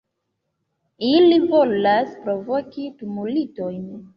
Ili volas provoki tumultojn.